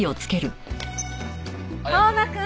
相馬くん！